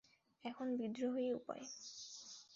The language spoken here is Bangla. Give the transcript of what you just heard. এখন, বিদ্রোহই উপায়!